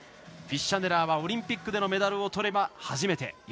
フィッシャネラーはオリンピックでのメダルをとれば初めて。